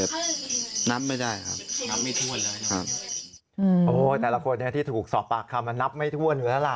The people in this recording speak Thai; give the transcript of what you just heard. โอ้โฮแต่ละคนที่ถูกสอบปากคำว่านับไม่ทวนหรือล่ะ